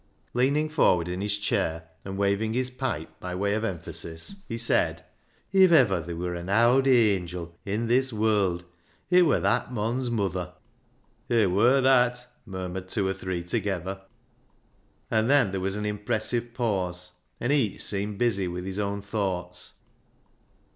Leaning forward in his chair and waving his pipe by way of emphasis, he said —" If iver ther' wur an' owd hangil i' this wurld it wur that mon's muther." "It wur that," murmured two or three together, and then there was an impressive pause, and each seemed busy with his own thoughts.